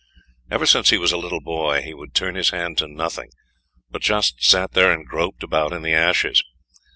Ever since he was a little boy he would turn his hand to nothing, but just sat there and groped about in the ashes.